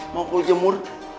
mau aku jemur